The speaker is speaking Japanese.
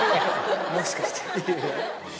もしかして。